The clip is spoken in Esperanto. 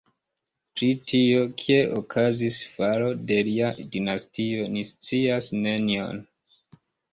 Pri tio, kiel okazis falo de lia dinastio, ni scias nenion.